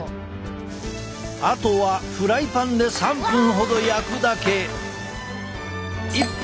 あとはフライパンで３分ほど焼くだけ。